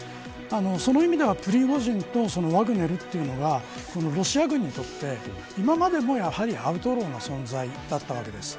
その意味ではプリゴジンとワグネルというのがロシア軍にとって今までもやはりアウトローな存在だったわけです。